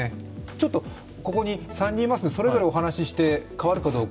ちょっとここに３人いますので、それぞれお話しして変わるかどうか。